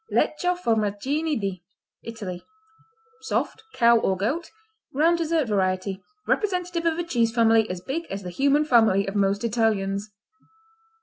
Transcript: Lecco, Formaggini di Italy Soft; cow or goat; round dessert variety; representative of a cheese family as big as the human family of most Italians.